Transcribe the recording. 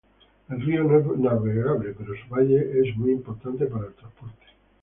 El río no es navegable, pero su valle es muy importante para el transporte.